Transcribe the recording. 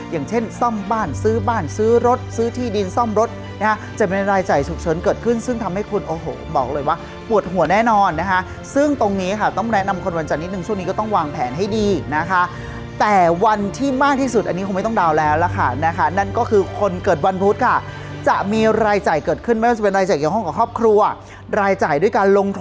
อย่างเช่นซ่อมบ้านซื้อบ้านซื้อรถซื้อที่ดินซ่อมรถจะเป็นรายจ่ายฉุกเฉินเกิดขึ้นซึ่งทำให้คุณโอ้โหบอกเลยว่าปวดหัวแน่นอนนะคะซึ่งตรงนี้ค่ะต้องแนะนำคนวันจันทร์นิดนึงช่วงนี้ก็ต้องวางแผนให้ดีนะคะแต่วันที่มากที่สุดอันนี้คงไม่ต้องดาวน์แล้วนะคะนะคะนั่นก็คือคนเกิดวันพุธค่ะจะมีรายจ่าย